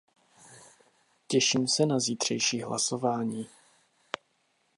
Těším se na zítřejší hlasování.